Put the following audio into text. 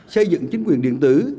xây dựng chính quyền điện tử